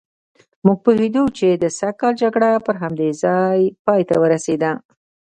موږ پوهېدو چې د سږ کال جګړه پر همدې ځای پایته ورسېده.